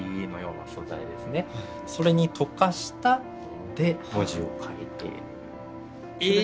それに溶かしたもので文字を書いている。